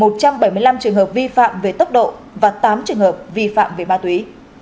một trăm bảy mươi năm trường hợp vi phạm về tốc độ và tám trường hợp vi phạm về ma túy